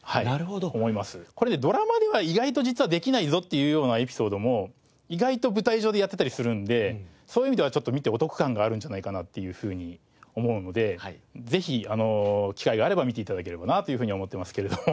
これねドラマでは意外と実はできないぞっていうようなエピソードも意外と舞台上でやってたりするんでそういう意味ではちょっと見てお得感があるんじゃないかなっていうふうに思うのでぜひ機会があれば見て頂ければなというふうに思ってますけれども。